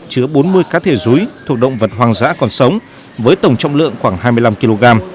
chứa bốn mươi cá thể rúi thuộc động vật hoang dã còn sống với tổng trọng lượng khoảng hai mươi năm kg